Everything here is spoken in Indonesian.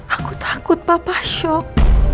aku takut bapak syok